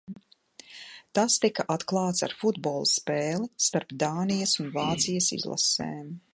Tas tika atklāts ar futbola spēli starp Dānijas un Vācijas izlasēm.